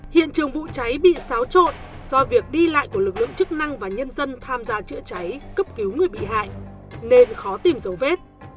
hiện trường vụ cháy bị xáo trộn do việc đi lại của lực lượng chức năng và nhân dân tham gia chữa cháy cấp cứu người bị hại nên khó tìm dấu vết